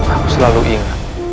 aku selalu ingat